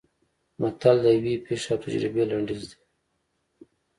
متل د یوې پېښې او تجربې لنډیز دی